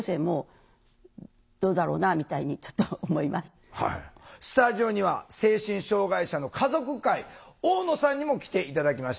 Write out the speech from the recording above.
例えばスタジオには精神障害者の家族会大野さんにも来て頂きました。